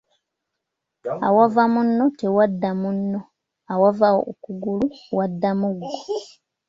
Awava munno tewadda munno awava okugulu wadda muggo.